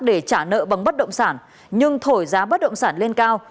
để trả nợ bằng bất động sản nhưng thổi giá bất động sản lên cao